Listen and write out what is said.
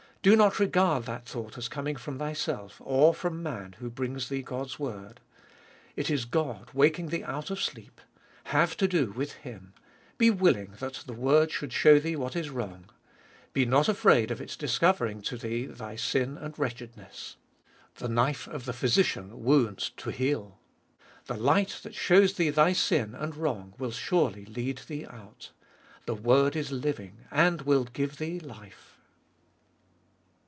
Do not regard that thought as coming from thyself, or from man who brings thee God's word ; it is God waking thee out of sleep. Have to do with Him. Be willing that the word should show thee what is wrong. Be not afraid of its discovering to thee thy 1 1 162 Cbe Doliest of BU sin and wretchedness. The knife of the physician wounds to heal. Trie light that shows thee thy sin and wrong will surely lead thee out. The word is living and will give thee life.